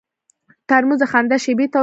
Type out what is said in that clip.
ترموز د خندا شېبې تود ساتي.